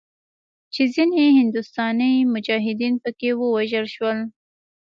چې ځینې هندوستاني مجاهدین پکښې ووژل شول.